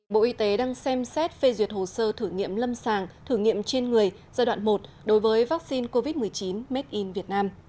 bộ y tế đang xem xét phê duyệt hồ sơ thử nghiệm lâm sàng thử nghiệm trên người giai đoạn một đối với vaccine covid một mươi chín made in vietnam